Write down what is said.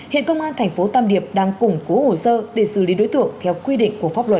hiện công an thành phố tam điệp đang củng cố hồ sơ để xử lý đối tượng theo quy định của pháp luật